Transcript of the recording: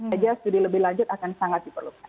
jadi studi lebih lanjut akan sangat diperlukan